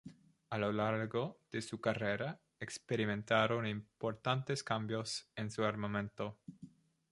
A lo largo de su carrera experimentaron importantes cambios en su armamento.